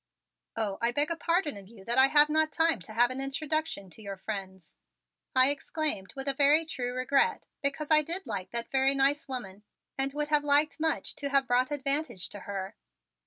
"Oh, I beg a pardon of you that I have not the time to have an introduction to your friends," I exclaimed with a very true regret, because I did like that very nice woman and would have liked much to have brought advantage to her.